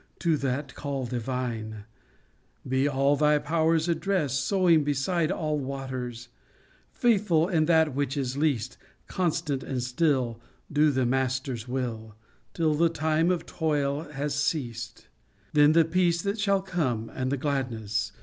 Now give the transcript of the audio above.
to that call divine Be all thy powers addressed ; Sowing beside all waters, Faithful in that which is least, Constant and still, do the Master's will Till the time of toil has ceased. Then the peace that shall come and the gladness